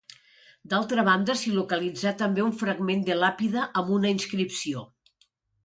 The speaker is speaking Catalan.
D'altra banda, s'hi localitzà també un fragment de làpida amb una inscripció.